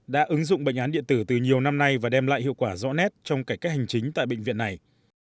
đã ứng dụng bệnh án điện tử từ nhiều năm nay và đem lại hiệu quả rõ nét trong cải cách hành chính tại bệnh viện này